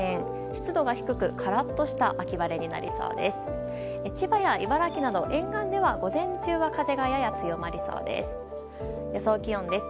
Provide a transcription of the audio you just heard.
湿度が低くカラッとした秋晴れになりそうです。